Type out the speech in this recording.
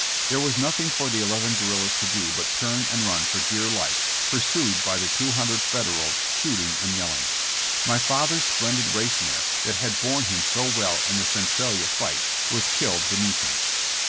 There was nothing for the eleven guerrillas to do but turn and run for dear life pur sued by the two hundred Federals shooting and yell ing. My father's splendid race mare, that had borne him so well in the Centralia fight, was killed beneath him.